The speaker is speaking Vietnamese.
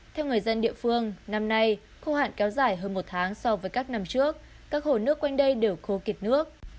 theo người dân địa phương năm nay khô hạn kéo dài hơn một tháng so với các năm trước các hồ nước quanh đây đều khô kiệt nước